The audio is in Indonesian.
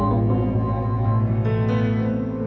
nyebut pak istighfar